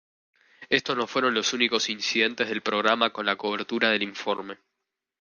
Estos no fueron los únicos incidentes del programa con la cobertura del informe.